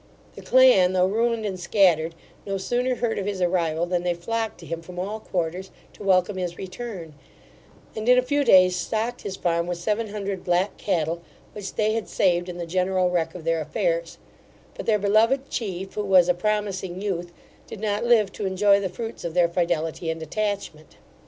The clan, though ruined and scattered, no sooner heard of his arrival than they flocked to him from all quarters, to welcome his return, and in a few days stocked his farm with seven hundred black cattle, which they had saved in the general wreck of their affairs: but their beloved chief, who was a promising youth, did not live to enjoy the fruits of their fidelity and attachment.